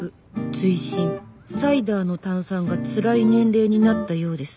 追伸サイダーの炭酸がツライ年齢になったようです。